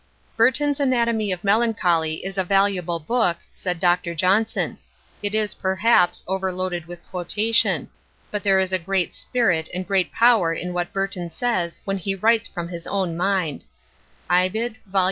BURTON'S ANATOMY OF MELANCHOLY is a valuable book, said Dr. Johnson. It is, perhaps, overloaded with quotation. But there is great spirit and great power in what Burton says when he writes from his own mind.—Ibid, vol.